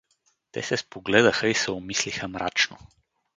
Те се спогледаха и се умислиха мрачно.